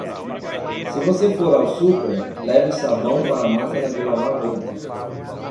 Se você for ao super, leve sabão para a máquina de lavar roupa.